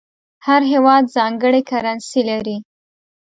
هر هېواد ځانګړې کرنسي لري.